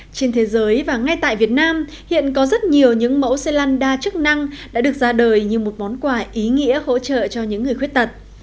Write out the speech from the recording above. trên thế giới và ngay tại việt nam hiện có rất nhiều những mẫu xe lăn đa chức năng đã được ra đời như một món quà ý nghĩa hỗ trợ cho những người khuyết tật